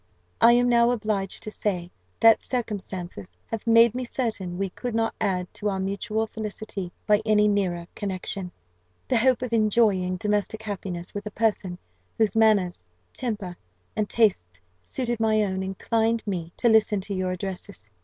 I am now obliged to say, that circumstances have made me certain we could not add to our mutual felicity by any nearer connexion. "The hope of enjoying domestic happiness with a person whose manners, temper, and tastes suited my own, inclined me to listen to your addresses.